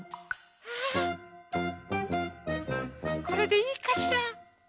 これでいいかしら？